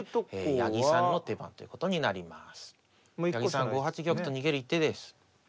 八木さん５八玉と逃げる一手です。